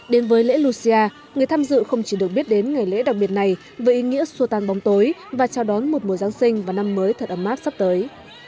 đến với lễ lucia người tham dự không chỉ được biết đến ngày lễ đặc biệt này với ý nghĩa xua tan bóng tối và chào đón một mùa giáng sinh và năm mới thật ấm áp sắp tới